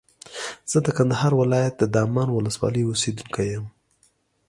زه د کندهار ولایت د دامان ولسوالۍ اوسېدونکی یم.